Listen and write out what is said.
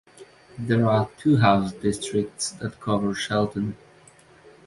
There are two House districts that cover Shelton.